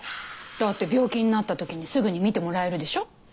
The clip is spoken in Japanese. だって病気になったときにすぐに診てもらえるでしょ。